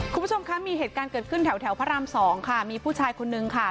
คุณผู้ชมคะมีเหตุการณ์เกิดขึ้นแถวแถวพระรามสองค่ะมีผู้ชายคนนึงค่ะ